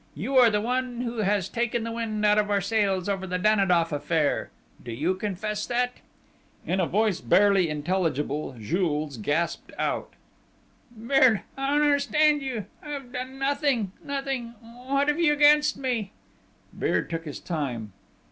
You are the one who has taken the wind out of our sails over the Danidoff affair ... do you confess that?" In a voice barely intelligible Jules gasped out: "Beard ... I don't understand you!... I have done nothing nothing.... What have you against me?..." Beard took his time.